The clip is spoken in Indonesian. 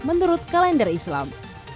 menurut kalender islam